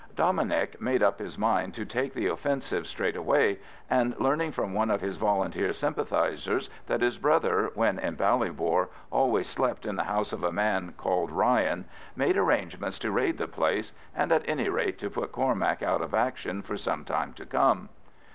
Dominic made up his mind to take the offensive straight away, and learning from one of his Volunteer sympathisers that his brother, when in Ballybor, always slept in the house of a man called Ryan, made arrangements to raid the place, and at any rate to put Cormac out of action for some time to come.